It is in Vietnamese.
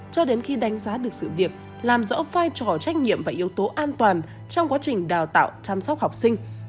cho đến khi đánh giá được sự việc làm rõ vai trò trách nhiệm và yếu tố an toàn trong quá trình đào tạo chăm sóc học sinh